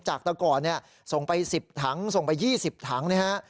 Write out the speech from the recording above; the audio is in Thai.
จากแต่ก่อนเนี่ยส่งไป๑๐ถังส่งไป๒๐ถังนะฮะ